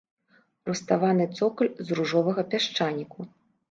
Руставаны цокаль з ружовага пясчаніку.